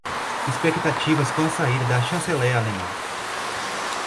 Expectativas com a saída da chanceler alemã